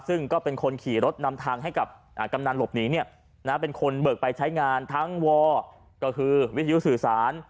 ซึ่งก็เป็นคนขี่รถนำทางให้กับกำนันหลบหนีเป็นคนเบิกไปใช้งานทั้งวก็คือวิทยุสื่อสาร